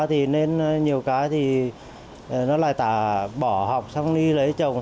thì nên nhiều cái thì nó lại tả bỏ học xong đi lấy chồng